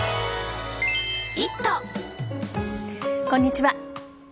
こんにちは。